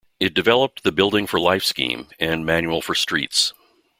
It developed the Building for Life scheme and Manual for Streets.